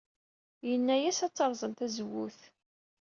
Yenna-as ad terẓem tazewwut.